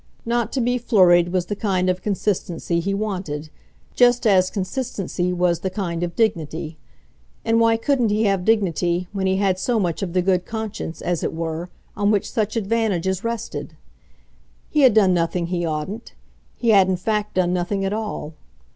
Not to be flurried was the kind of consistency he wanted, just as consistency was the kind of dignity. And why couldn't he have dignity when he had so much of the good conscience, as it were, on which such advantages rested? He had done nothing he oughtn't he had in fact done nothing at all.